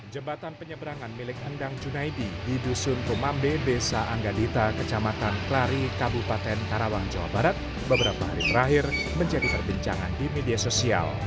jembatan penyeberangan milik endang junaidi di dusun rumambe desa anggadita kecamatan klari kabupaten karawang jawa barat beberapa hari terakhir menjadi perbincangan di media sosial